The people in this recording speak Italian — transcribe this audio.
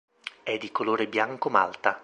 È di colore bianco malta.